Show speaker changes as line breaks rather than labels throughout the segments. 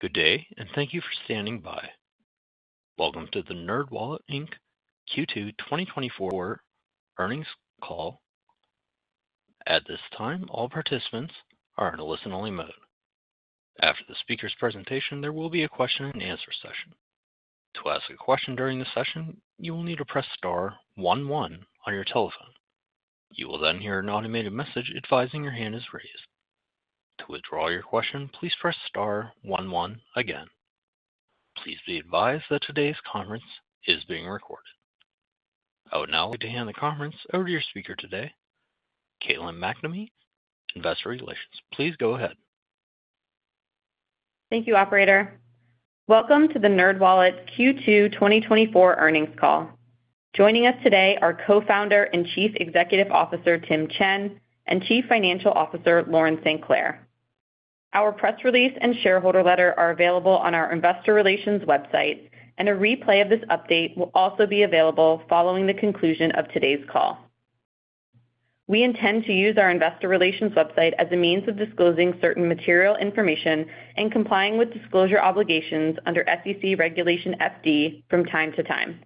Good day, and thank you for standing by. Welcome to the NerdWallet, Inc. Q2 2024 earnings call. At this time, all participants are in a listen-only mode. After the speaker's presentation, there will be a question-and-answer session. To ask a question during the session, you will need to press star one one on your telephone. You will then hear an automated message advising your hand is raised. To withdraw your question, please press star one one again. Please be advised that today's conference is being recorded. I would now like to hand the conference over to your speaker today, Caitlin MacNamee, Investor Relations. Please go ahead.
Thank you, operator. Welcome to the NerdWallet Q2 2024 earnings call. Joining us today are Co-founder and Chief Executive Officer, Tim Chen, and Chief Financial Officer, Lauren StClair. Our press release and shareholder letter are available on our investor relations website, and a replay of this update will also be available following the conclusion of today's call. We intend to use our investor relations website as a means of disclosing certain material information and complying with disclosure obligations under SEC Regulation FD from time to time.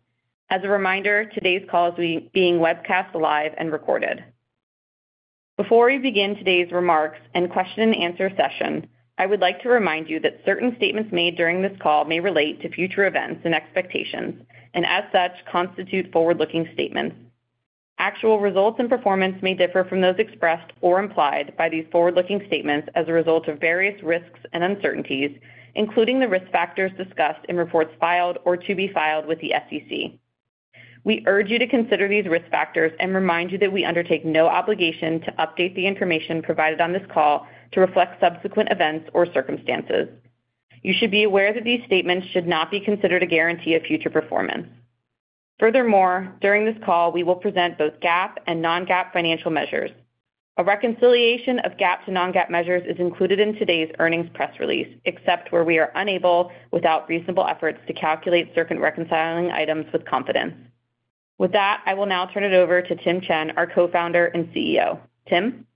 As a reminder, today's call is being webcast live and recorded. Before we begin today's remarks and question-and-answer session, I would like to remind you that certain statements made during this call may relate to future events and expectations, and as such, constitute forward-looking statements. Actual results and performance may differ from those expressed or implied by these forward-looking statements as a result of various risks and uncertainties, including the risk factors discussed in reports filed or to be filed with the SEC. We urge you to consider these risk factors and remind you that we undertake no obligation to update the information provided on this call to reflect subsequent events or circumstances. You should be aware that these statements should not be considered a guarantee of future performance. Furthermore, during this call, we will present both GAAP and non-GAAP financial measures. A reconciliation of GAAP to non-GAAP measures is included in today's earnings press release, except where we are unable, without reasonable efforts, to calculate certain reconciling items with confidence. With that, I will now turn it over to Tim Chen, our Co-founder and CEO. Tim?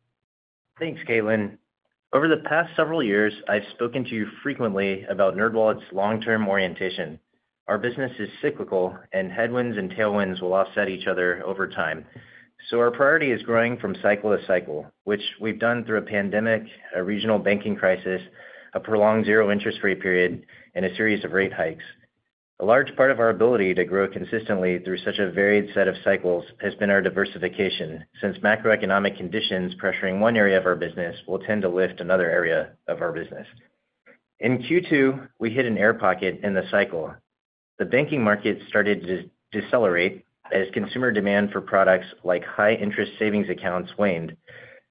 Thanks, Caitlin. Over the past several years, I've spoken to you frequently about NerdWallet's long-term orientation. Our business is cyclical, and headwinds and tailwinds will offset each other over time. So our priority is growing from cycle to cycle, which we've done through a pandemic, a regional banking crisis, a prolonged zero interest rate period, and a series of rate hikes. A large part of our ability to grow consistently through such a varied set of cycles has been our diversification, since macroeconomic conditions pressuring one area of our business will tend to lift another area of our business. In Q2, we hit an air pocket in the cycle. The banking market started to decelerate as consumer demand for products like high-yield savings accounts waned.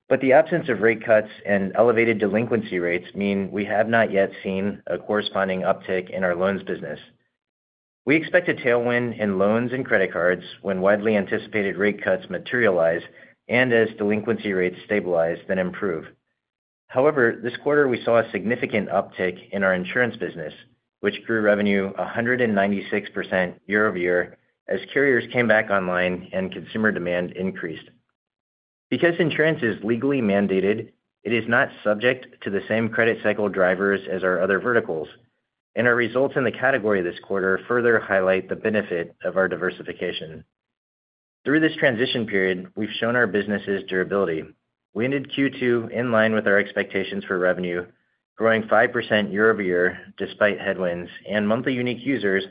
But the absence of rate cuts and elevated delinquency rates mean we have not yet seen a corresponding uptick in our loans business. We expect a tailwind in loans and credit cards when widely anticipated rate cuts materialize and as delinquency rates stabilize, then improve. However, this quarter, we saw a significant uptick in our insurance business, which grew revenue 196% year-over-year as carriers came back online and consumer demand increased. Because insurance is legally mandated, it is not subject to the same credit cycle drivers as our other verticals, and our results in the category this quarter further highlight the benefit of our diversification. Through this transition period, we've shown our business's durability. We ended Q2 in line with our expectations for revenue, growing 5% year-over-year despite headwinds, and monthly unique users,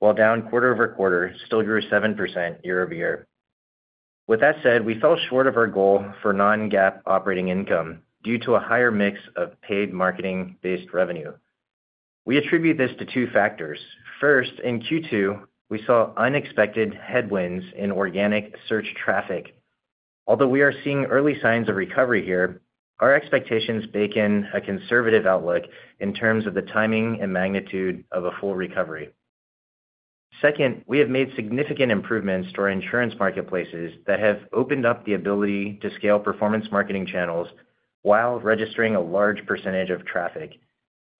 while down quarter-over-quarter, still grew 7% year-over-year. With that said, we fell short of our goal for non-GAAP operating income due to a higher mix of paid marketing-based revenue. We attribute this to two factors. First, in Q2, we saw unexpected headwinds in organic search traffic. Although we are seeing early signs of recovery here, our expectations bake in a conservative outlook in terms of the timing and magnitude of a full recovery. Second, we have made significant improvements to our insurance marketplaces that have opened up the ability to scale performance marketing channels while registering a large percentage of traffic,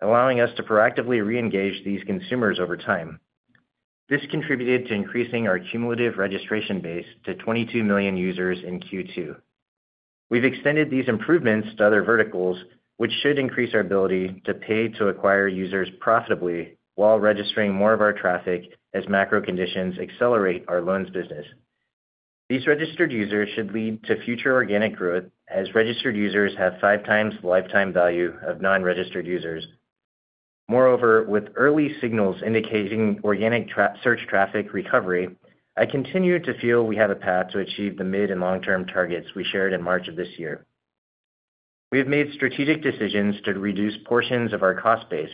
allowing us to proactively reengage these consumers over time. This contributed to increasing our cumulative registration base to 22 million users in Q2. We've extended these improvements to other verticals, which should increase our ability to pay to acquire users profitably while registering more of our traffic as macro conditions accelerate our loans business. These registered users should lead to future organic growth, as registered users have five times the lifetime value of non-registered users. Moreover, with early signals indicating organic search traffic recovery, I continue to feel we have a path to achieve the mid- and long-term targets we shared in March of this year. We have made strategic decisions to reduce portions of our cost base.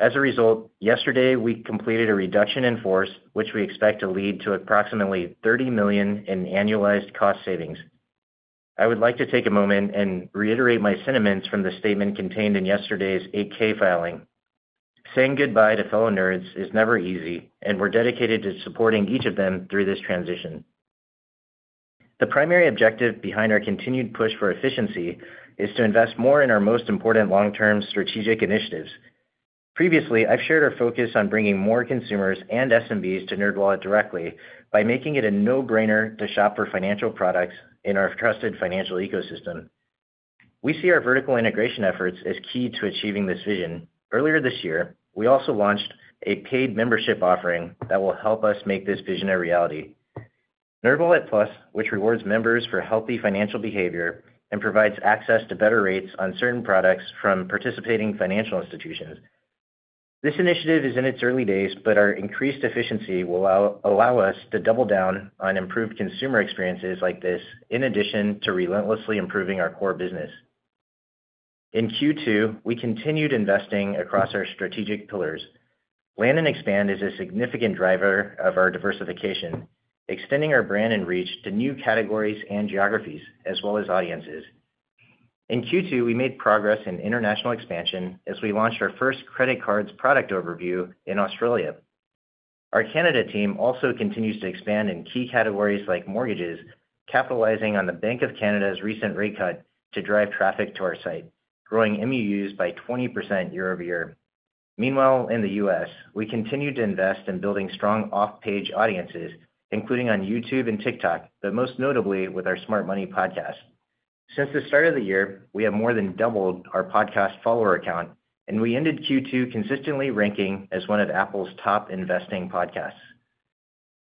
As a result, yesterday we completed a reduction in force, which we expect to lead to approximately $30 million in annualized cost savings. I would like to take a moment and reiterate my sentiments from the statement contained in yesterday's 8-K filing. Saying goodbye to fellow Nerds is never easy, and we're dedicated to supporting each of them through this transition. The primary objective behind our continued push for efficiency is to invest more in our most important long-term strategic initiatives.... Previously, I've shared our focus on bringing more consumers and SMBs to NerdWallet directly by making it a no-brainer to shop for financial products in our trusted financial ecosystem. We see our vertical integration efforts as key to achieving this vision. Earlier this year, we also launched a paid membership offering that will help us make this vision a reality, NerdWallet Plus, which rewards members for healthy financial behavior and provides access to better rates on certain products from participating financial institutions. This initiative is in its early days, but our increased efficiency will allow us to double down on improved consumer experiences like this, in addition to relentlessly improving our core business. In Q2, we continued investing across our strategic pillars. Land and Expand is a significant driver of our diversification, extending our brand and reach to new categories and geographies, as well as audiences. In Q2, we made progress in international expansion as we launched our first credit cards product overview in Australia. Our Canada team also continues to expand in key categories like mortgages, capitalizing on the Bank of Canada's recent rate cut to drive traffic to our site, growing MUUs by 20% year-over-year. Meanwhile, in the U.S., we continue to invest in building strong off-page audiences, including on YouTube and TikTok, but most notably with our Smart Money Podcast. Since the start of the year, we have more than doubled our podcast follower count, and we ended Q2 consistently ranking as one of Apple's top investing podcasts.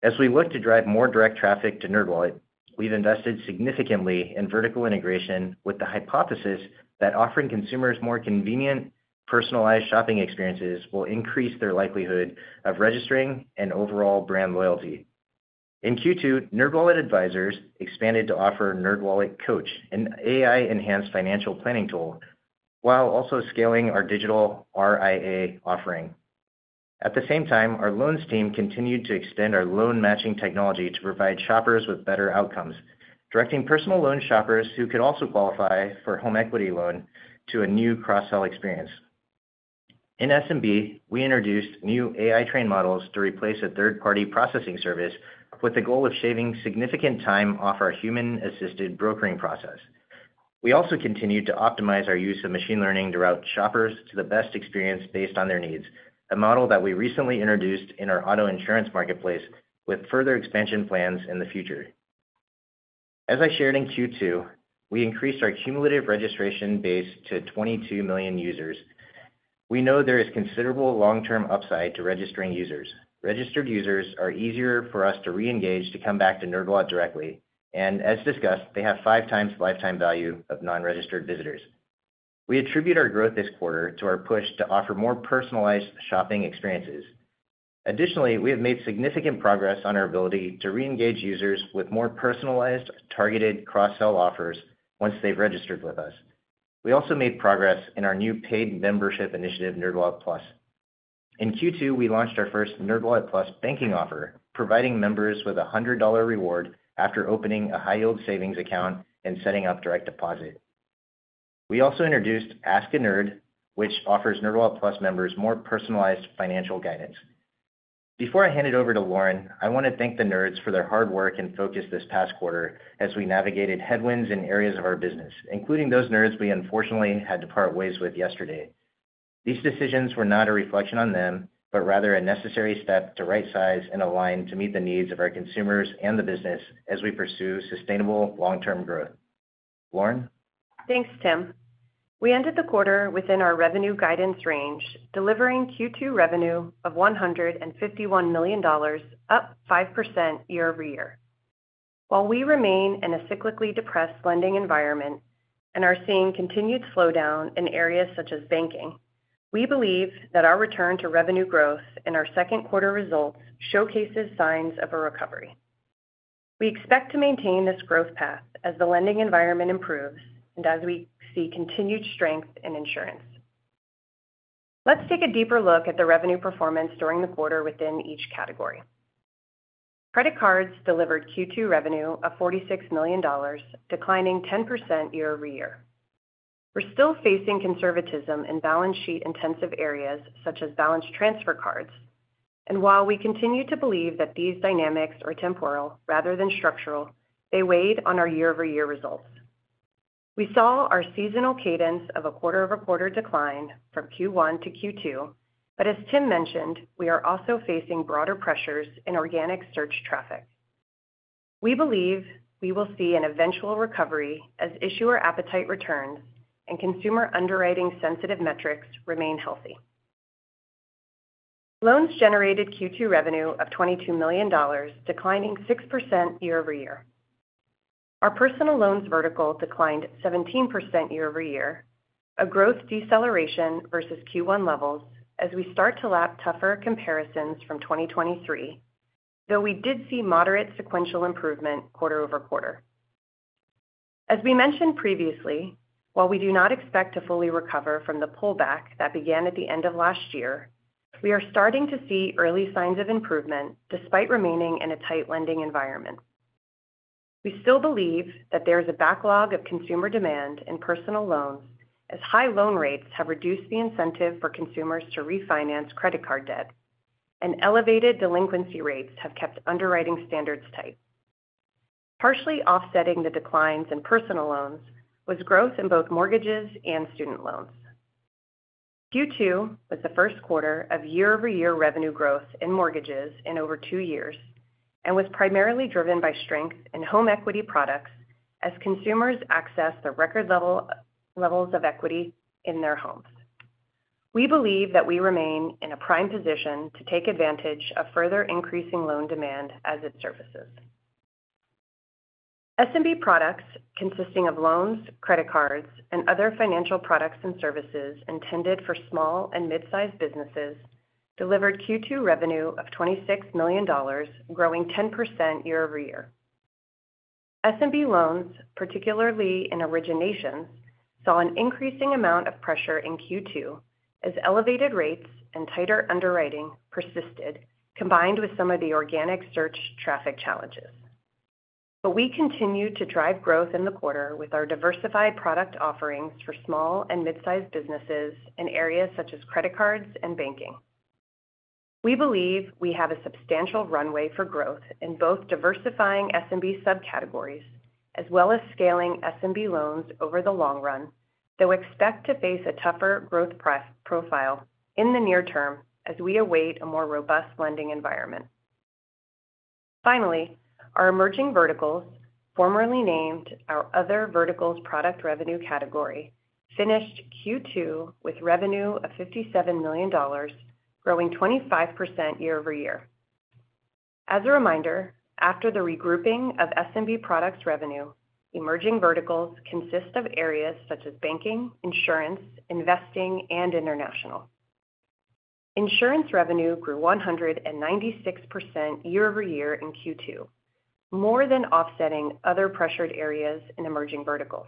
As we look to drive more direct traffic to NerdWallet, we've invested significantly in vertical integration with the hypothesis that offering consumers more convenient, personalized shopping experiences will increase their likelihood of registering and overall brand loyalty. In Q2, NerdWallet Advisors expanded to offer NerdWallet Coach, an AI-enhanced financial planning tool, while also scaling our digital RIA offering. At the same time, our loans team continued to extend our loan matching technology to provide shoppers with better outcomes, directing personal loan shoppers who could also qualify for a home equity loan to a new cross-sell experience. In SMB, we introduced new AI-trained models to replace a third-party processing service with the goal of shaving significant time off our human-assisted brokering process. We also continued to optimize our use of machine learning to route shoppers to the best experience based on their needs, a model that we recently introduced in our auto insurance marketplace, with further expansion plans in the future. As I shared in Q2, we increased our cumulative registration base to 22 million users. We know there is considerable long-term upside to registering users. Registered users are easier for us to reengage to come back to NerdWallet directly, and as discussed, they have 5 times the lifetime value of non-registered visitors. We attribute our growth this quarter to our push to offer more personalized shopping experiences. Additionally, we have made significant progress on our ability to reengage users with more personalized, targeted cross-sell offers once they've registered with us. We also made progress in our new paid membership initiative, NerdWallet Plus. In Q2, we launched our first NerdWallet Plus banking offer, providing members with a $100 reward after opening a high-yield savings account and setting up direct deposit. We also introduced Ask a Nerd, which offers NerdWallet Plus members more personalized financial guidance. Before I hand it over to Lauren, I want to thank the Nerds for their hard work and focus this past quarter as we navigated headwinds in areas of our business, including those Nerds we unfortunately had to part ways with yesterday. These decisions were not a reflection on them, but rather a necessary step to rightsize and align to meet the needs of our consumers and the business as we pursue sustainable long-term growth. Lauren?
Thanks, Tim. We ended the quarter within our revenue guidance range, delivering Q2 revenue of $151 million, up 5% year-over-year. While we remain in a cyclically depressed lending environment and are seeing continued slowdown in areas such as banking, we believe that our return to revenue growth and our second quarter results showcases signs of a recovery. We expect to maintain this growth path as the lending environment improves and as we see continued strength in insurance. Let's take a deeper look at the revenue performance during the quarter within each category. Credit cards delivered Q2 revenue of $46 million, declining 10% year-over-year. We're still facing conservatism in balance sheet-intensive areas such as balance transfer cards, and while we continue to believe that these dynamics are temporal rather than structural, they weighed on our year-over-year results. We saw our seasonal cadence of a quarter-over-quarter decline from Q1 to Q2, but as Tim mentioned, we are also facing broader pressures in organic search traffic. We believe we will see an eventual recovery as issuer appetite returns and consumer underwriting-sensitive metrics remain healthy. Loans generated Q2 revenue of $22 million, declining 6% year-over-year. Our personal loans vertical declined 17% year-over-year, a growth deceleration versus Q1 levels as we start to lap tougher comparisons from 2023, though we did see moderate sequential improvement quarter-over-quarter. As we mentioned previously, while we do not expect to fully recover from the pullback that began at the end of last year, we are starting to see early signs of improvement despite remaining in a tight lending environment. We still believe that there is a backlog of consumer demand in personal loans, as high loan rates have reduced the incentive for consumers to refinance credit card debt, and elevated delinquency rates have kept underwriting standards tight. Partially offsetting the declines in personal loans was growth in both mortgages and student loans. Q2 was the first quarter of year-over-year revenue growth in mortgages in over two years, and was primarily driven by strength in home equity products as consumers access the record level, levels of equity in their homes. We believe that we remain in a prime position to take advantage of further increasing loan demand as it surfaces. SMB products, consisting of loans, credit cards, and other financial products and services intended for small and mid-sized businesses, delivered Q2 revenue of $26 million, growing 10% year-over-year. SMB loans, particularly in origination, saw an increasing amount of pressure in Q2 as elevated rates and tighter underwriting persisted, combined with some of the organic search traffic challenges. But we continued to drive growth in the quarter with our diversified product offerings for small and mid-sized businesses in areas such as credit cards and banking. We believe we have a substantial runway for growth in both diversifying SMB subcategories as well as scaling SMB loans over the long run, though expect to face a tougher growth pressure profile in the near term as we await a more robust lending environment. Finally, our emerging verticals, formerly named our other verticals product revenue category, finished Q2 with revenue of $57 million, growing 25% year-over-year. As a reminder, after the regrouping of SMB products revenue, emerging verticals consist of areas such as banking, insurance, investing, and international. Insurance revenue grew 196% year-over-year in Q2, more than offsetting other pressured areas in emerging verticals.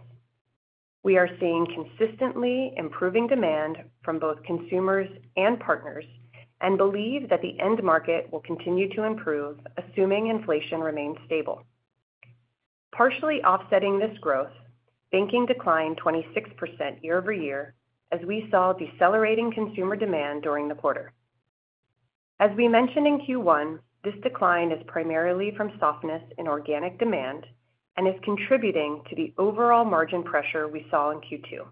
We are seeing consistently improving demand from both consumers and partners, and believe that the end market will continue to improve, assuming inflation remains stable. Partially offsetting this growth, banking declined 26% year-over-year, as we saw decelerating consumer demand during the quarter. As we mentioned in Q1, this decline is primarily from softness in organic demand and is contributing to the overall margin pressure we saw in Q2.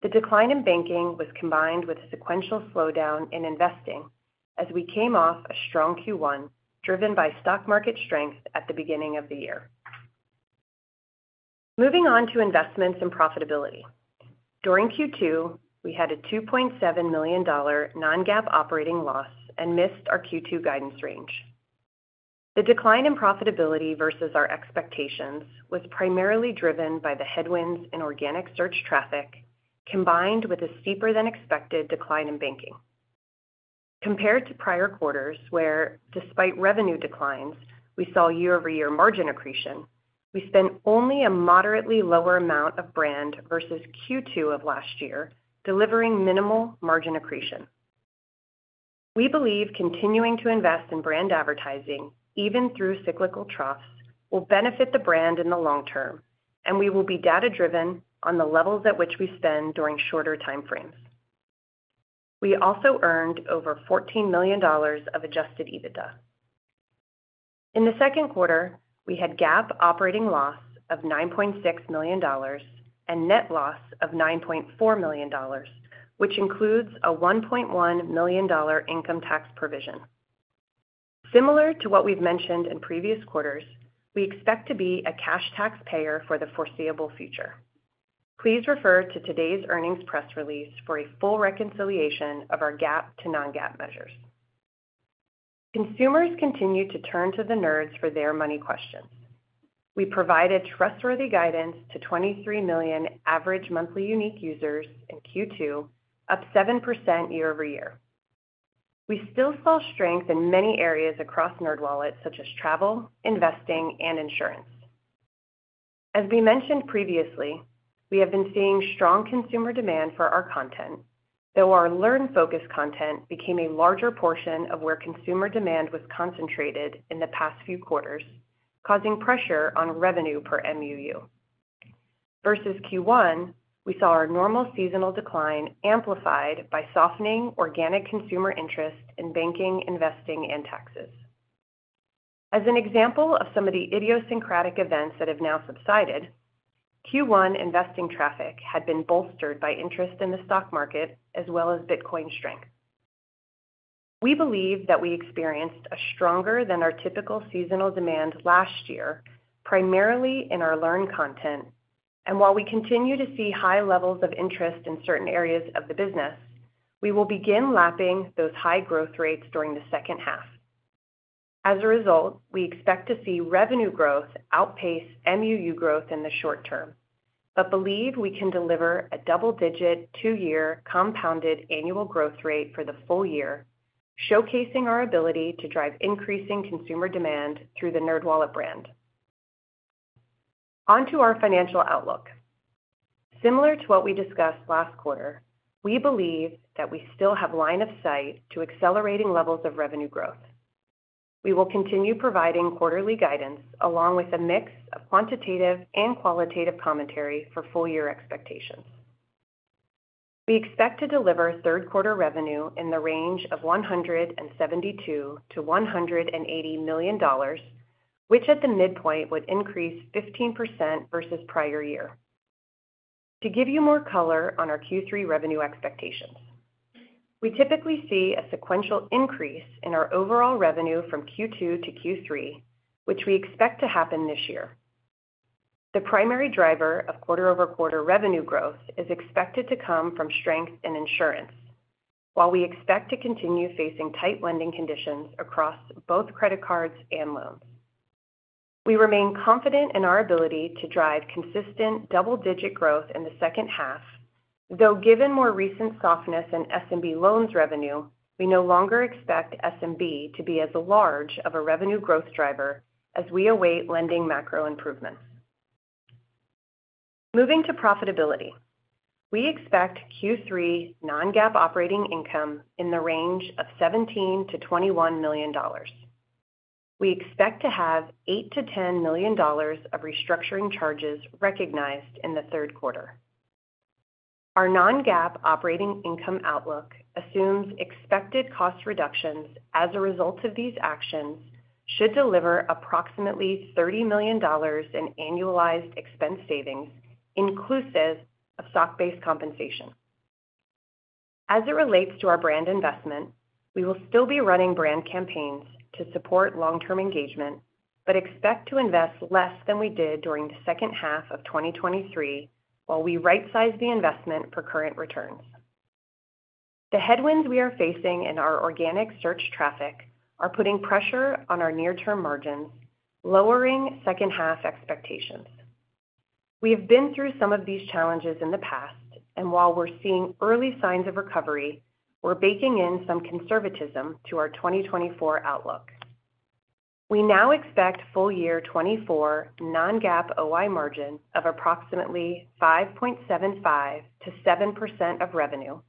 The decline in banking was combined with a sequential slowdown in investing as we came off a strong Q1, driven by stock market strength at the beginning of the year. Moving on to investments and profitability. During Q2, we had a $2.7 million non-GAAP operating loss and missed our Q2 guidance range. The decline in profitability versus our expectations was primarily driven by the headwinds in organic search traffic, combined with a steeper-than-expected decline in banking. Compared to prior quarters, where despite revenue declines, we saw year-over-year margin accretion, we spent only a moderately lower amount of brand versus Q2 of last year, delivering minimal margin accretion. We believe continuing to invest in brand advertising, even through cyclical troughs, will benefit the brand in the long term, and we will be data-driven on the levels at which we spend during shorter time frames. We also earned over $14 million of adjusted EBITDA. In the second quarter, we had GAAP operating loss of $9.6 million and net loss of $9.4 million, which includes a $1.1 million income tax provision. Similar to what we've mentioned in previous quarters, we expect to be a cash taxpayer for the foreseeable future. Please refer to today's earnings press release for a full reconciliation of our GAAP to non-GAAP measures. Consumers continue to turn to the Nerds for their money questions. We provided trustworthy guidance to 23 million average monthly unique users in Q2, up 7% year-over-year. We still saw strength in many areas across NerdWallet, such as travel, investing, and insurance. As we mentioned previously, we have been seeing strong consumer demand for our content, though our learning-focused content became a larger portion of where consumer demand was concentrated in the past few quarters, causing pressure on revenue per MUU. Versus Q1, we saw our normal seasonal decline amplified by softening organic consumer interest in banking, investing, and taxes. As an example of some of the idiosyncratic events that have now subsided, Q1 investing traffic had been bolstered by interest in the stock market as well as Bitcoin strength. We believe that we experienced a stronger than our typical seasonal demand last year, primarily in our learn content, and while we continue to see high levels of interest in certain areas of the business, we will begin lapping those high growth rates during the second half. As a result, we expect to see revenue growth outpace MUU growth in the short term, but believe we can deliver a double-digit, two-year compounded annual growth rate for the full year, showcasing our ability to drive increasing consumer demand through the NerdWallet brand. On to our financial outlook. Similar to what we discussed last quarter, we believe that we still have line of sight to accelerating levels of revenue growth. We will continue providing quarterly guidance, along with a mix of quantitative and qualitative commentary for full year expectations. We expect to deliver third quarter revenue in the range of $172 million-$180 million, which at the midpoint, would increase 15% versus prior year. To give you more color on our Q3 revenue expectations, we typically see a sequential increase in our overall revenue from Q2 to Q3, which we expect to happen this year. The primary driver of quarter-over-quarter revenue growth is expected to come from strength in insurance, while we expect to continue facing tight lending conditions across both credit cards and loans. We remain confident in our ability to drive consistent double-digit growth in the second half, though, given more recent softness in SMB loans revenue, we no longer expect SMB to be as large of a revenue growth driver as we await lending macro improvements. Moving to profitability, we expect Q3 non-GAAP operating income in the range of $17 million-$21 million. We expect to have $8 million-$10 million of restructuring charges recognized in the third quarter. Our non-GAAP operating income outlook assumes expected cost reductions as a result of these actions, should deliver approximately $30 million in annualized expense savings, inclusive of stock-based compensation. As it relates to our brand investment, we will still be running brand campaigns to support long-term engagement, but expect to invest less than we did during the second half of 2023, while we rightsize the investment for current returns. The headwinds we are facing in our organic search traffic are putting pressure on our near-term margins, lowering second half expectations. We have been through some of these challenges in the past, and while we're seeing early signs of recovery, we're baking in some conservatism to our 2024 outlook. We now expect full year 2024 non-GAAP OI margin of approximately 5.75%-7% of revenue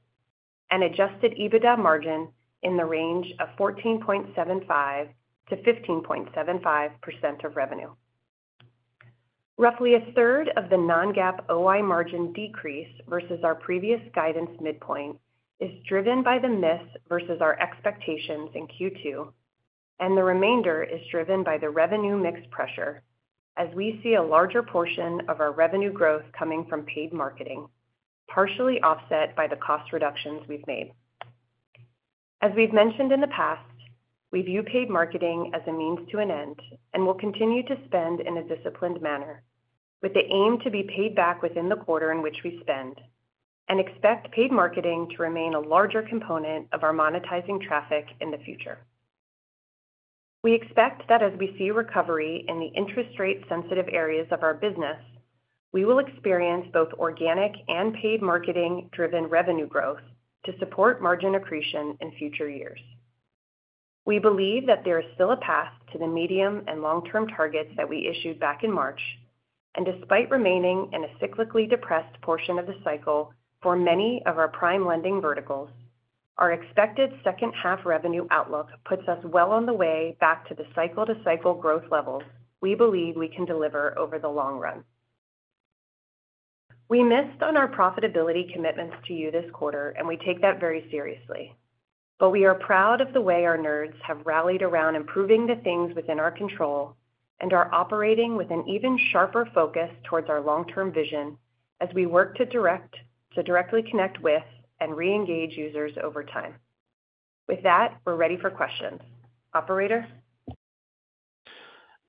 and adjusted EBITDA margin in the range of 14.75%-15.75% of revenue. Roughly a third of the non-GAAP OI margin decrease versus our previous guidance midpoint is driven by the miss versus our expectations in Q2, and the remainder is driven by the revenue mix pressure as we see a larger portion of our revenue growth coming from paid marketing, partially offset by the cost reductions we've made. As we've mentioned in the past, we view paid marketing as a means to an end and will continue to spend in a disciplined manner, with the aim to be paid back within the quarter in which we spend, and expect paid marketing to remain a larger component of our monetizing traffic in the future. We expect that as we see recovery in the interest rate-sensitive areas of our business, we will experience both organic and paid marketing-driven revenue growth to support margin accretion in future years. We believe that there is still a path to the medium and long-term targets that we issued back in March, and despite remaining in a cyclically depressed portion of the cycle for many of our prime lending verticals, our expected second half revenue outlook puts us well on the way back to the cycle-to-cycle growth levels we believe we can deliver over the long run. We missed on our profitability commitments to you this quarter, and we take that very seriously. But we are proud of the way our Nerds have rallied around improving the things within our control and are operating with an even sharper focus towards our long-term vision as we work to directly connect with and reengage users over time. With that, we're ready for questions. Operator?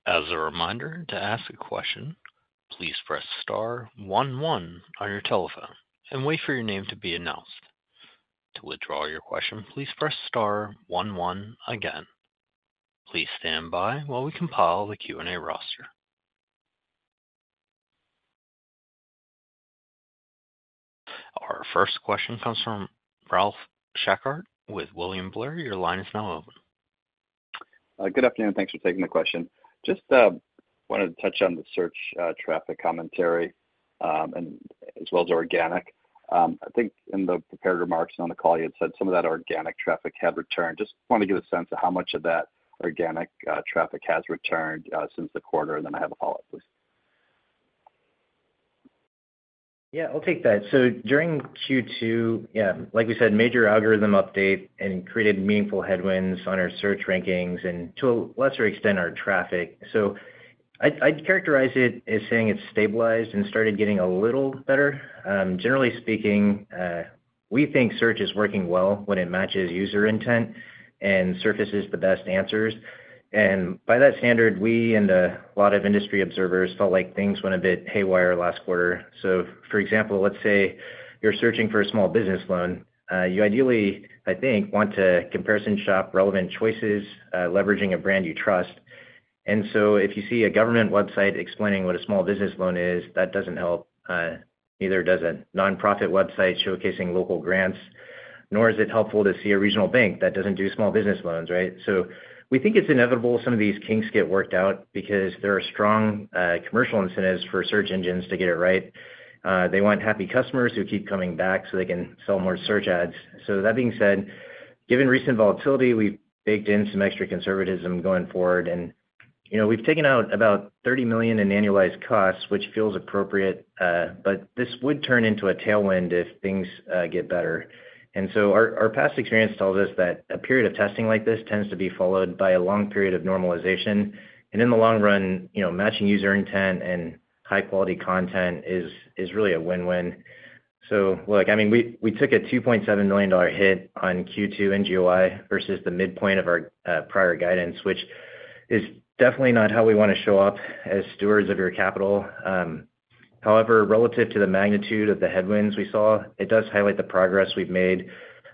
As a reminder, to ask a question, please press star one one on your telephone and wait for your name to be announced. To withdraw your question, please press star one one again. Please stand by while we compile the Q&A roster. Our first question comes from Ralph Schackart with William Blair. Your line is now open.
Good afternoon, and thanks for taking the question. Just wanted to touch on the search traffic commentary, and as well as organic. I think in the prepared remarks on the call, you had said some of that organic traffic had returned. Just want to get a sense of how much of that organic traffic has returned since the quarter, and then I have a follow-up, please.
Yeah, I'll take that. So during Q2, yeah, like we said, major algorithm update and created meaningful headwinds on our search rankings and to a lesser extent, our traffic. So I'd characterize it as saying it's stabilized and started getting a little better. Generally speaking, we think search is working well when it matches user intent and surfaces the best answers. And by that standard, we and a lot of industry observers felt like things went a bit haywire last quarter. So for example, let's say you're searching for a small business loan. You ideally, I think, want to comparison shop relevant choices, leveraging a brand you trust. And so if you see a government website explaining what a small business loan is, that doesn't help. Neither does a nonprofit website showcasing local grants, nor is it helpful to see a regional bank that doesn't do small business loans, right? So we think it's inevitable some of these kinks get worked out because there are strong, commercial incentives for search engines to get it right. They want happy customers who keep coming back so they can sell more search ads. So that being said, given recent volatility, we've baked in some extra conservatism going forward, and, you know, we've taken out about $30 million in annualized costs, which feels appropriate, but this would turn into a tailwind if things get better. And so our past experience tells us that a period of testing like this tends to be followed by a long period of normalization. In the long run, you know, matching user intent and high-quality content is really a win-win. So look, I mean, we took a $2.7 million hit on Q2 NGOI versus the midpoint of our prior guidance, which is definitely not how we want to show up as stewards of your capital. However, relative to the magnitude of the headwinds we saw, it does highlight the progress we've made,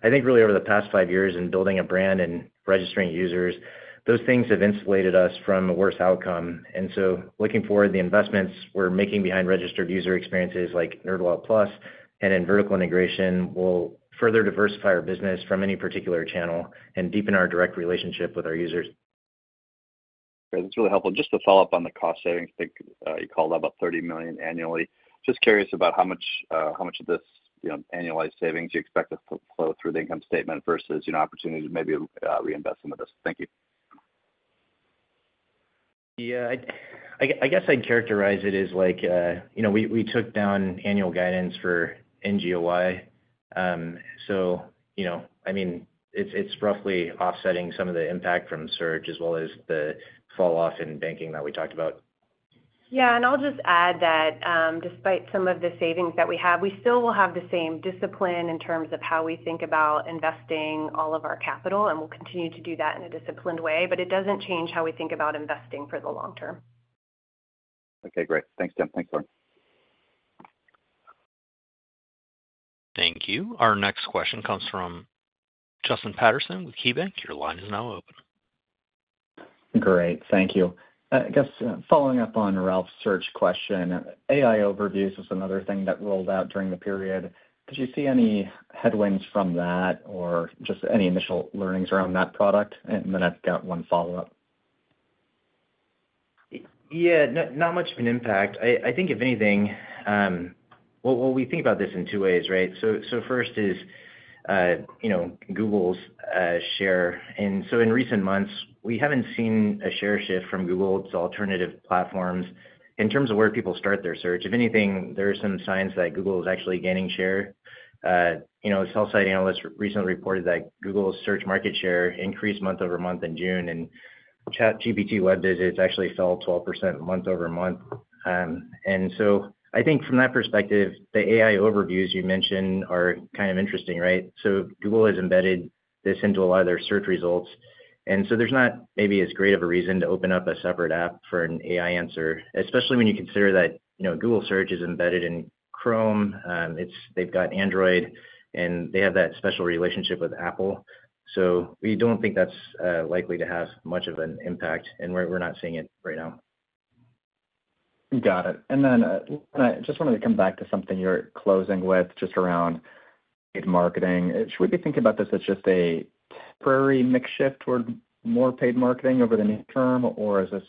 I think, really over the past five years in building a brand and registering users. Those things have insulated us from a worse outcome. And so looking forward, the investments we're making behind registered user experiences like NerdWallet Plus and in vertical integration will further diversify our business from any particular channel and deepen our direct relationship with our users.
That's really helpful. Just to follow up on the cost savings, I think, you called out about $30 million annually. Just curious about how much, how much of this, you know, annualized savings you expect to flow through the income statement versus, you know, opportunities to maybe, reinvest some of this. Thank you.
Yeah, I guess I'd characterize it as like, you know, we took down annual guidance for NGOI. So, you know, I mean, it's roughly offsetting some of the impact from search as well as the falloff in banking that we talked about.
Yeah, and I'll just add that, despite some of the savings that we have, we still will have the same discipline in terms of how we think about investing all of our capital, and we'll continue to do that in a disciplined way, but it doesn't change how we think about investing for the long term.
Okay, great. Thanks, Tim. Thanks, Lauren.
Thank you. Our next question comes from Justin Patterson with KeyBanc. Your line is now open.
Great. Thank you. I guess, following up on Ralph's search question, AI Overviews is another thing that rolled out during the period. Did you see any headwinds from that or just any initial learnings around that product? And then I've got one follow-up.
Yeah, not much of an impact. I think, if anything... Well, we think about this in two ways, right? So first is, you know, Google's share. And so in recent months, we haven't seen a share shift from Google to alternative platforms. In terms of where people start their search, if anything, there are some signs that Google is actually gaining share. You know, a sell-side analyst recently reported that Google's search market share increased month-over-month in June, and ChatGPT web visits actually fell 12% month-over-month. And so I think from that perspective, the AI Overviews you mentioned are kind of interesting, right? So Google has embedded this into a lot of their search results, and so there's not maybe as great of a reason to open up a separate app for an AI answer, especially when you consider that, you know, Google Search is embedded in Chrome, they've got Android, and they have that special relationship with Apple. So we don't think that's likely to have much of an impact, and we're not seeing it right now.
Got it. And then, I just wanted to come back to something you're closing with, just around paid marketing. Should we be thinking about this as just a temporary mix shift toward more paid marketing over the near term, or is this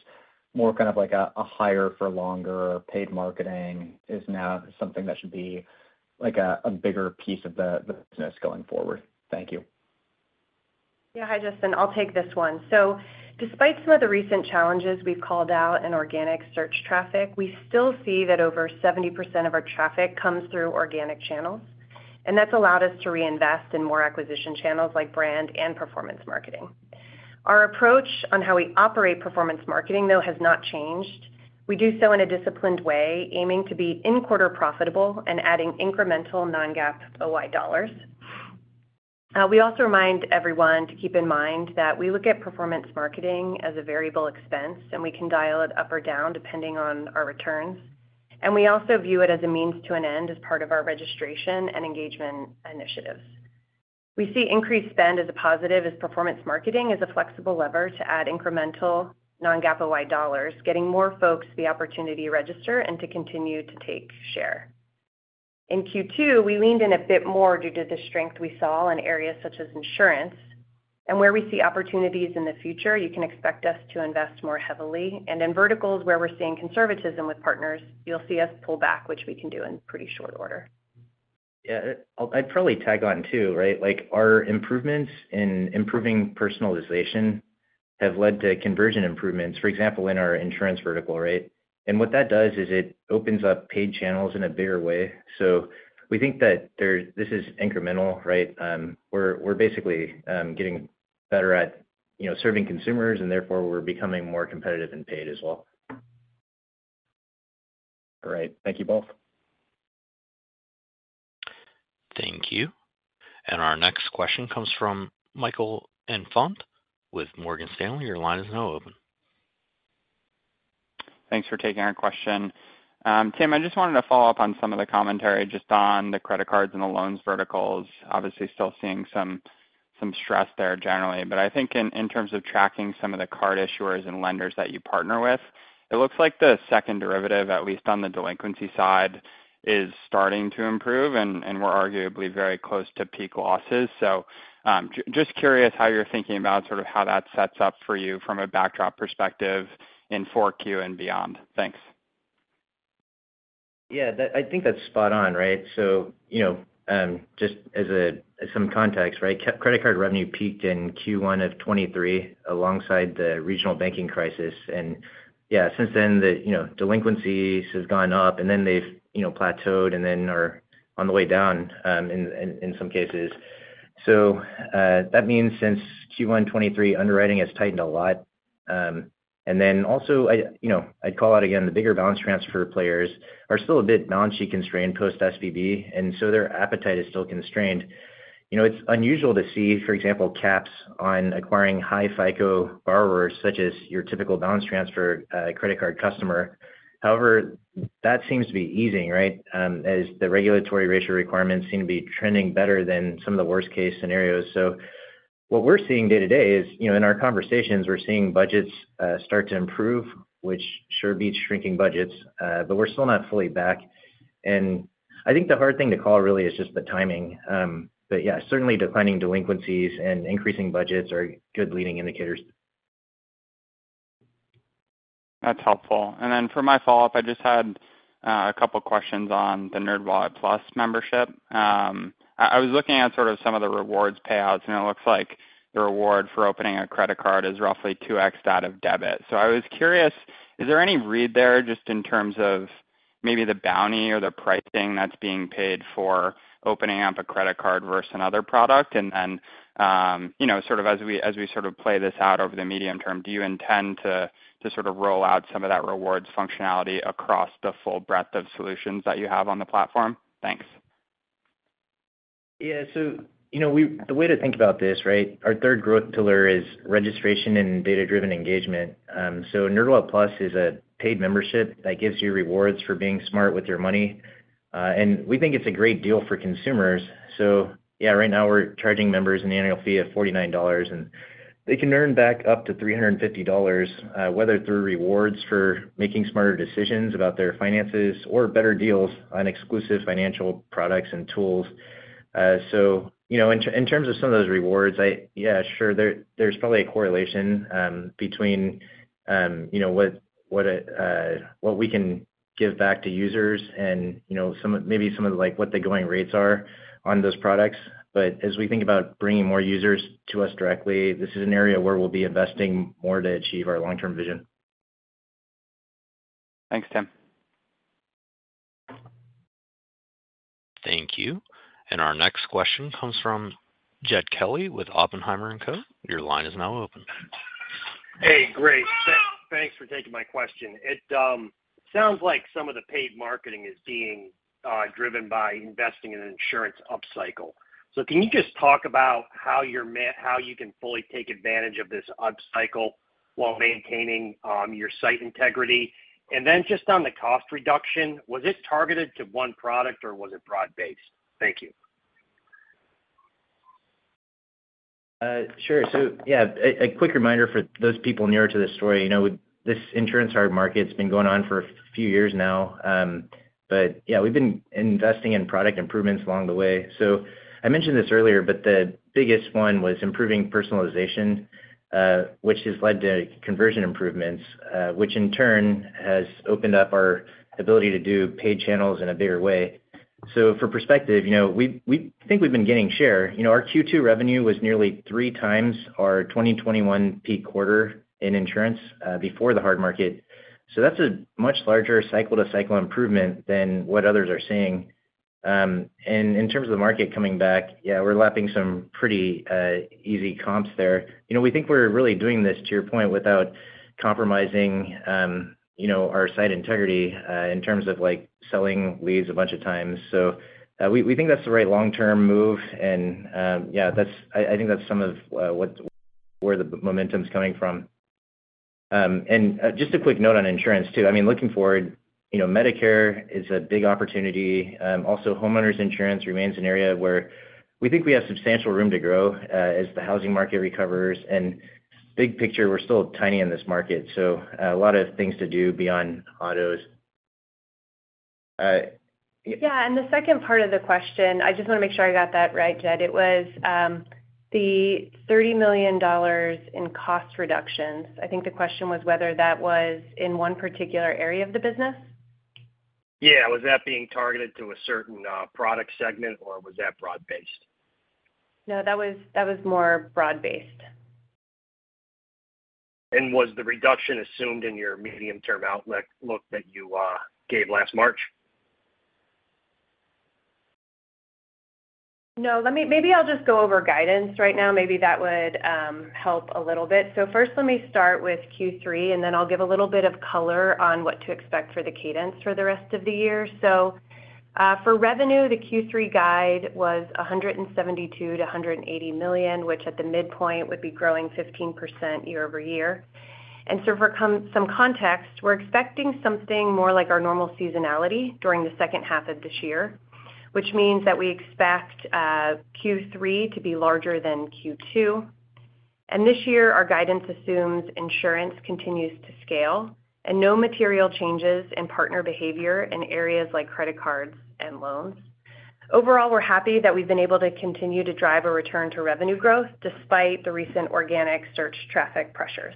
more kind of like a, a higher for longer paid marketing is now something that should be like a, a bigger piece of the, the business going forward? Thank you.
Yeah. Hi, Justin. I'll take this one. So despite some of the recent challenges we've called out in organic search traffic, we still see that over 70% of our traffic comes through organic channels, and that's allowed us to reinvest in more acquisition channels like brand and performance marketing. Our approach on how we operate performance marketing, though, has not changed. We do so in a disciplined way, aiming to be in-quarter profitable and adding incremental non-GAAP OI dollars. We also remind everyone to keep in mind that we look at performance marketing as a variable expense, and we can dial it up or down depending on our returns. And we also view it as a means to an end, as part of our registration and engagement initiatives. We see increased spend as a positive, as performance marketing is a flexible lever to add incremental non-GAAP OI dollars, getting more folks the opportunity to register and to continue to take share. In Q2, we leaned in a bit more due to the strength we saw in areas such as insurance. And where we see opportunities in the future, you can expect us to invest more heavily. And in verticals where we're seeing conservatism with partners, you'll see us pull back, which we can do in pretty short order.
Yeah, I'd probably tag on, too, right? Like, our improvements in improving personalization have led to conversion improvements, for example, in our insurance vertical, right? And what that does is it opens up paid channels in a bigger way. So we think that this is incremental, right? We're basically getting better at, you know, serving consumers, and therefore, we're becoming more competitive in paid as well.
All right. Thank you both.
Thank you. And our next question comes from Michael Infante with Morgan Stanley. Your line is now open.
Thanks for taking our question. Tim, I just wanted to follow up on some of the commentary just on the credit cards and the loans verticals. Obviously, still seeing some, some stress there generally, but I think in, in terms of tracking some of the card issuers and lenders that you partner with, it looks like the second derivative, at least on the delinquency side, is starting to improve, and, and we're arguably very close to peak losses. So, just curious how you're thinking about sort of how that sets up for you from a backdrop perspective in 4Q and beyond? Thanks....
Yeah, that, I think that's spot on, right? So, you know, just as some context, right, credit card revenue peaked in Q1 of 2023 alongside the regional banking crisis. And yeah, since then, you know, delinquencies has gone up, and then they've, you know, plateaued and then are on the way down, in some cases. So, that means since Q1 2023, underwriting has tightened a lot. And then also, you know, I'd call out again, the bigger balance transfer players are still a bit balance-sheet constrained post SVB, and so their appetite is still constrained. You know, it's unusual to see, for example, caps on acquiring high FICO borrowers such as your typical balance transfer credit card customer. However, that seems to be easing, right? As the regulatory ratio requirements seem to be trending better than some of the worst case scenarios. So what we're seeing day-to-day is, you know, in our conversations, we're seeing budgets start to improve, which sure beats shrinking budgets, but we're still not fully back. And I think the hard thing to call really is just the timing. But yeah, certainly defining delinquencies and increasing budgets are good leading indicators.
That's helpful. Then for my follow-up, I just had a couple questions on the NerdWallet Plus membership. I was looking at sort of some of the rewards payouts, and it looks like the reward for opening a credit card is roughly 2x out of debit. So I was curious, is there any read there just in terms of maybe the bounty or the pricing that's being paid for opening up a credit card versus another product? And then, you know, sort of as we, as we sort of play this out over the medium term, do you intend to, to sort of roll out some of that rewards functionality across the full breadth of solutions that you have on the platform? Thanks.
Yeah. So, you know, we the way to think about this, right, our third growth pillar is registration and data-driven engagement. So NerdWallet Plus is a paid membership that gives you rewards for being smart with your money, and we think it's a great deal for consumers. So yeah, right now we're charging members an annual fee of $49, and they can earn back up to $350, whether through rewards for making smarter decisions about their finances or better deals on exclusive financial products and tools. So, you know, in terms of some of those rewards, yeah, sure, there's probably a correlation between, you know, what we can give back to users and, you know, some of, maybe some of like what the going rates are on those products. But as we think about bringing more users to us directly, this is an area where we'll be investing more to achieve our long-term vision.
Thanks, Tim.
Thank you. Our next question comes from Jed Kelly with Oppenheimer and Co. Your line is now open.
Hey, great. Thanks for taking my question. It sounds like some of the paid marketing is being driven by investing in an insurance upcycle. So can you just talk about how you can fully take advantage of this upcycle while maintaining your site integrity? And then just on the cost reduction, was it targeted to one product or was it broad-based? Thank you.
Sure. So yeah, a quick reminder for those people newer to this story. You know, this insurance hard market's been going on for a few years now, but yeah, we've been investing in product improvements along the way. So I mentioned this earlier, but the biggest one was improving personalization, which has led to conversion improvements, which in turn has opened up our ability to do paid channels in a bigger way. So for perspective, you know, we think we've been gaining share. You know, our Q2 revenue was nearly three times our 2021 peak quarter in insurance, before the hard market. So that's a much larger cycle to cycle improvement than what others are seeing. And in terms of the market coming back, yeah, we're lapping some pretty easy comps there. You know, we think we're really doing this, to your point, without compromising, you know, our site integrity, in terms of, like, selling leads a bunch of times. So, we think that's the right long-term move. And, yeah, that's... I think that's some of, what, where the momentum's coming from. And, just a quick note on insurance, too. I mean, looking forward, you know, Medicare is a big opportunity. Also, homeowners insurance remains an area where we think we have substantial room to grow, as the housing market recovers. Big picture, we're still tiny in this market, so a lot of things to do beyond autos.
Yeah, and the second part of the question, I just wanna make sure I got that right, Jed. It was, the $30 million in cost reductions. I think the question was whether that was in one particular area of the business?
Yeah. Was that being targeted to a certain product segment, or was that broad based?
No, that was more broad-based.
Was the reduction assumed in your medium-term outlook that you gave last March?
No. Let me. Maybe I'll just go over guidance right now. Maybe that would help a little bit. So first, let me start with Q3, and then I'll give a little bit of color on what to expect for the cadence for the rest of the year. So, for revenue, the Q3 guide was $172 million-$180 million, which at the midpoint would be growing 15% year-over-year. And so for some context, we're expecting something more like our normal seasonality during the second half of this year, which means that we expect Q3 to be larger than Q2. And this year, our guidance assumes insurance continues to scale and no material changes in partner behavior in areas like credit cards and loans. Overall, we're happy that we've been able to continue to drive a return to revenue growth despite the recent organic search traffic pressures...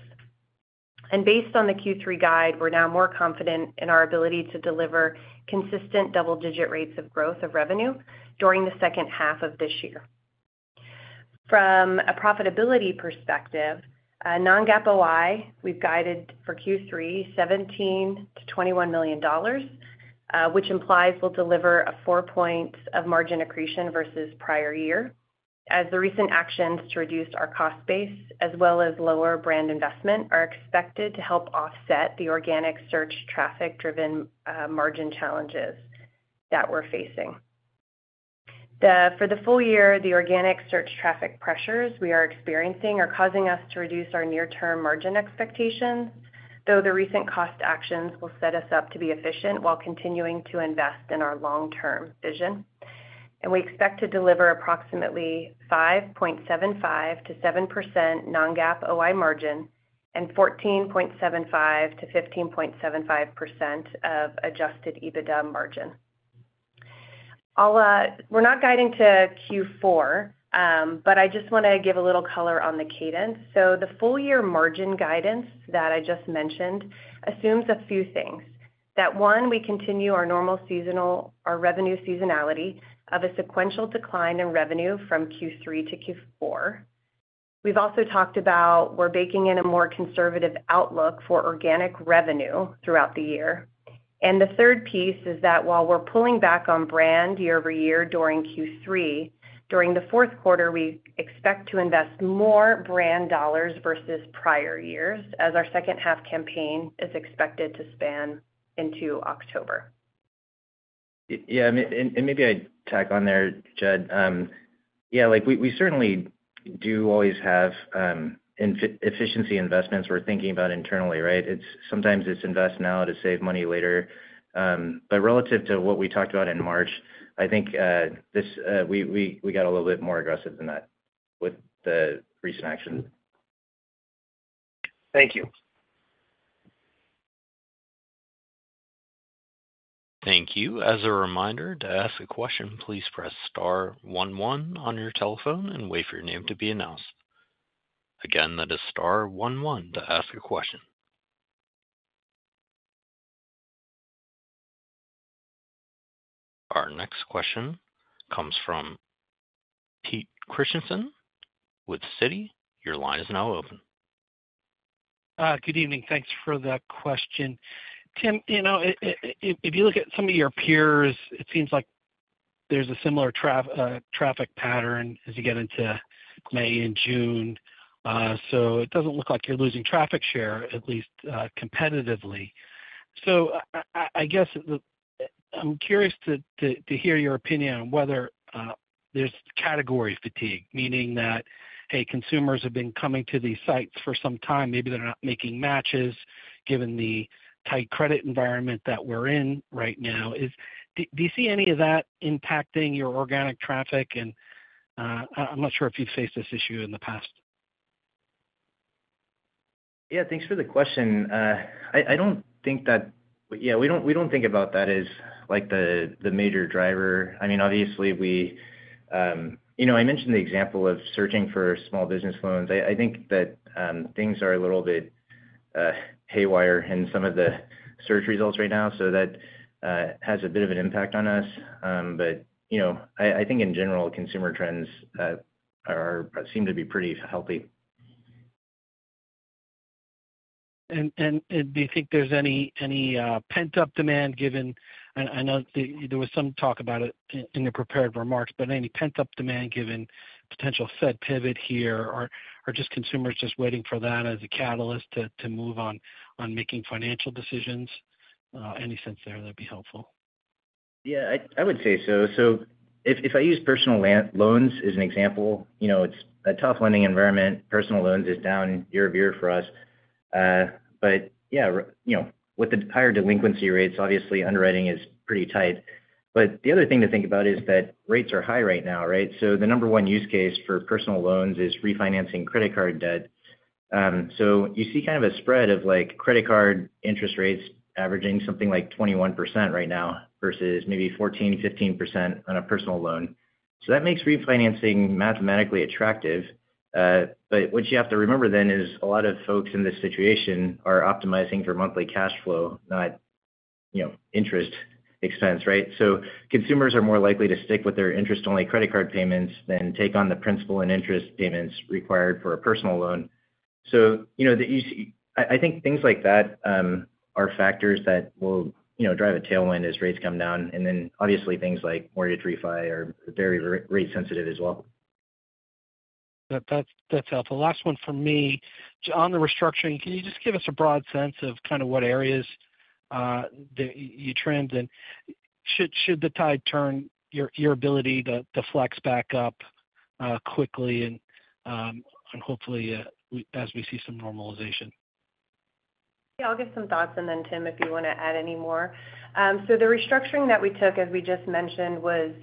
And based on the Q3 guide, we're now more confident in our ability to deliver consistent double-digit rates of growth of revenue during the second half of this year. From a profitability perspective, non-GAAP OI, we've guided for Q3, $17 million-$21 million, which implies we'll deliver 4 points of margin accretion versus prior year, as the recent actions to reduce our cost base, as well as lower brand investment, are expected to help offset the organic search traffic-driven, margin challenges that we're facing. For the full year, the organic search traffic pressures we are experiencing are causing us to reduce our near-term margin expectations, though the recent cost actions will set us up to be efficient while continuing to invest in our long-term vision. And we expect to deliver approximately 5.75%-7% non-GAAP OI margin and 14.75%-15.75% of adjusted EBITDA margin. I'll, we're not guiding to Q4, but I just wanna give a little color on the cadence. So the full year margin guidance that I just mentioned assumes a few things. That one, we continue our normal seasonal revenue seasonality of a sequential decline in revenue from Q3 to Q4. We've also talked about we're baking in a more conservative outlook for organic revenue throughout the year. The third piece is that while we're pulling back on brand year-over-year during Q3, during the fourth quarter, we expect to invest more brand dollars versus prior years, as our second half campaign is expected to span into October.
Yeah, and maybe I tack on there, Jed. Yeah, like, we certainly do always have efficiency investments we're thinking about internally, right? It's sometimes invest now to save money later. But relative to what we talked about in March, I think this we got a little bit more aggressive than that with the recent action.
Thank you.
Thank you. As a reminder, to ask a question, please press star one one on your telephone and wait for your name to be announced. Again, that is star one one to ask a question. Our next question comes from Peter Christiansen with Citi. Your line is now open.
Good evening. Thanks for the question. Tim, you know, if you look at some of your peers, it seems like there's a similar traffic pattern as you get into May and June. So it doesn't look like you're losing traffic share, at least, competitively. So I guess I'm curious to hear your opinion on whether there's category fatigue, meaning that: Hey, consumers have been coming to these sites for some time, maybe they're not making matches, given the tight credit environment that we're in right now. Do you see any of that impacting your organic traffic? And I'm not sure if you've faced this issue in the past.
Yeah, thanks for the question. I don't think that—yeah, we don't think about that as, like, the major driver. I mean, obviously, we... You know, I mentioned the example of searching for small business loans. I think that, things are a little bit haywire in some of the search results right now, so that has a bit of an impact on us. But, you know, I think in general, consumer trends seem to be pretty healthy.
Do you think there's any pent-up demand given—I know there was some talk about it in the prepared remarks, but any pent-up demand given potential Fed pivot here, or are consumers just waiting for that as a catalyst to move on making financial decisions? Any sense there, that'd be helpful.
Yeah, I, I would say so. So if, if I use personal loans as an example, you know, it's a tough lending environment. Personal loans is down year-over-year for us. But yeah, you know, with the higher delinquency rates, obviously underwriting is pretty tight. But the other thing to think about is that rates are high right now, right? So the number one use case for personal loans is refinancing credit card debt. So you see kind of a spread of, like, credit card interest rates averaging something like 21% right now, versus maybe 14%-15% on a personal loan. So that makes refinancing mathematically attractive. But what you have to remember then is a lot of folks in this situation are optimizing for monthly cash flow, not, you know, interest expense, right? So consumers are more likely to stick with their interest-only credit card payments than take on the principal and interest payments required for a personal loan. So, you know, I think things like that are factors that will, you know, drive a tailwind as rates come down, and then obviously, things like mortgage refi are very re-rate sensitive as well.
That's helpful. Last one from me. On the restructuring, can you just give us a broad sense of kind of what areas that you trend in? Should the tide turn your ability to flex back up quickly and, and hopefully, as we see some normalization?
Yeah, I'll give some thoughts, and then Tim, if you wanna add any more. So the restructuring that we took, as we just mentioned, was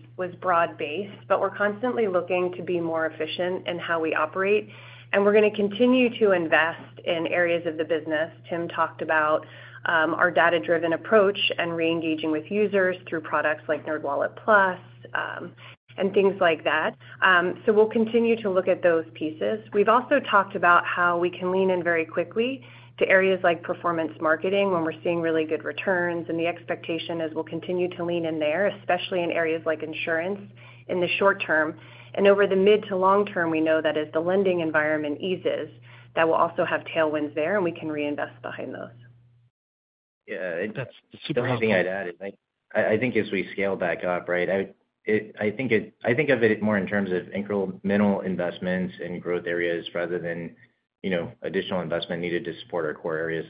broad-based, but we're constantly looking to be more efficient in how we operate, and we're gonna continue to invest in areas of the business. Tim talked about our data-driven approach and reengaging with users through products like NerdWallet Plus, and things like that. So we'll continue to look at those pieces. We've also talked about how we can lean in very quickly to areas like performance marketing, when we're seeing really good returns, and the expectation is we'll continue to lean in there, especially in areas like insurance in the short term. And over the mid to long term, we know that as the lending environment eases, that we'll also have tailwinds there, and we can reinvest behind those.
Yeah- That's super helpful.
The only thing I'd add is I think as we scale back up, right? I think of it more in terms of incremental investments in growth areas rather than, you know, additional investment needed to support our core areas.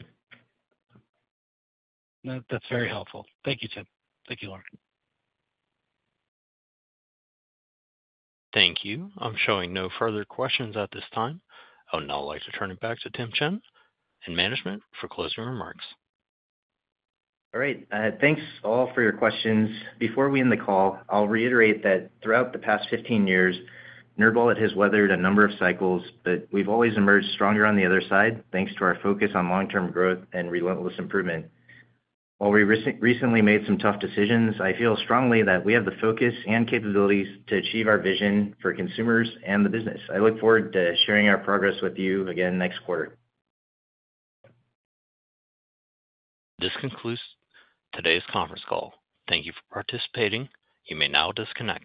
No, that's very helpful. Thank you, Tim. Thank you, Lauren.
Thank you. I'm showing no further questions at this time. I would now like to turn it back to Tim Chen and management for closing remarks.
All right, thanks, all, for your questions. Before we end the call, I'll reiterate that throughout the past 15 years, NerdWallet has weathered a number of cycles, but we've always emerged stronger on the other side, thanks to our focus on long-term growth and relentless improvement. While we recently made some tough decisions, I feel strongly that we have the focus and capabilities to achieve our vision for consumers and the business. I look forward to sharing our progress with you again next quarter.
This concludes today's conference call. Thank you for participating. You may now disconnect.